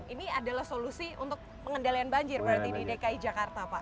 ini adalah solusi untuk pengendalian banjir berarti di dki jakarta pak